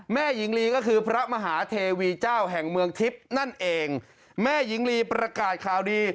แม่หญิงลีก็คือพระมหาเทวีเจ้าแห่งเมืองทิพย์นั่นเองแม่หญิงลีประกาศข่าวดี